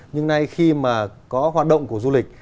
nhưng nay khi mà có hoạt động của du lịch